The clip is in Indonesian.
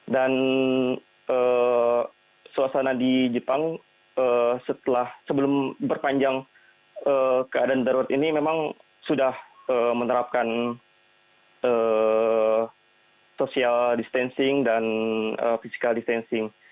dan suasana di jepang sebelum memperpanjang keadaan darurat ini memang sudah menerapkan social distancing dan physical distancing